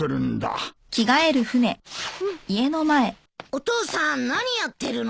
お父さん何やってるの？